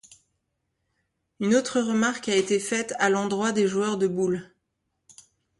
Une autre remarque a été faite a l’endroit des joueurs de boules.